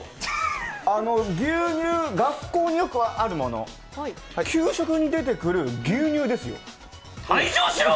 牛乳、学校によくあるもの、給食に出てくる牛乳ですよ。